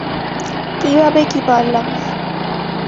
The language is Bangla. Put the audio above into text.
কিভাবে কি পারলাম?